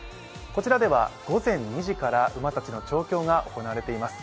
こちらでは午前２時から馬たちの調教が行われています。